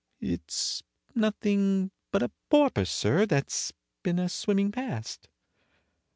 "It's nothing but a porpoise, sir, that 's been a swimming past."